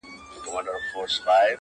انساني کرامت تر سوال للاندي دی,